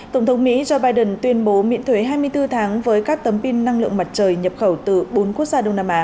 tổng thống mỹ joe biden tuyên bố miễn thuế hai mươi bốn tháng với các tấm pin năng lượng mặt trời nhập khẩu từ bốn quốc gia đông nam á